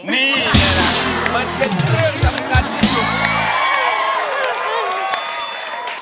นี่แหละมันเป็นเรื่องสำคัญที่สุด